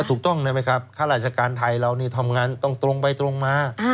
ถูกต้องได้ไหมครับข้าราชการไทยเรานี่ทำงานต้องตรงไปตรงมา